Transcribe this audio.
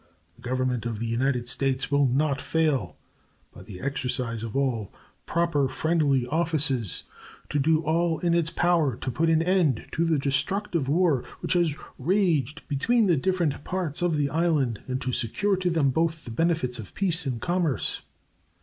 The Government of the United States will not fail, by the exercise of all proper friendly offices, to do all in its power to put an end to the destructive war which has raged between the different parts of the island and to secure to them both the benefits of peace and commerce.